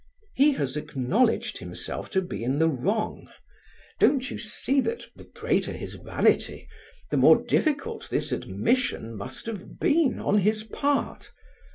"He has acknowledged himself to be in the wrong. Don't you see that the greater his vanity, the more difficult this admission must have been on his part?